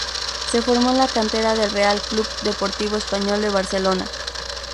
Se formó en la cantera del Real Club Deportivo Español de Barcelona.